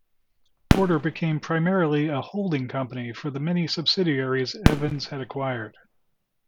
Porter became primarily a holding company for the many subsidiaries Evans had acquired.